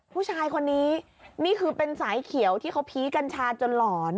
ผู้ชายคนนี้นี่คือเป็นสายเขียวที่เขาพีคกัญชาจนหลอน